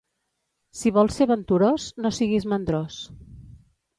Si vols ser venturós, no siguis mandrós.